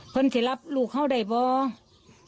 คนจะรับลูกเขาได้ป่าว